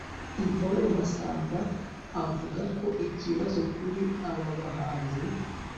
intore masamba avuga ko ikibazo kuri aba bahanzi